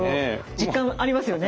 実感ありますよね。